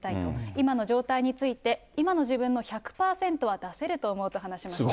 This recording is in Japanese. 今の状態について、今の自分の１００％は出せると思うと話しました。